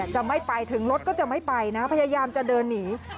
จะไม่ไปถึงรถก็จะไม่ไปนะพยายามจะเดินหนี